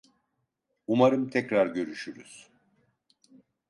Umarım tekrar görüşürüz.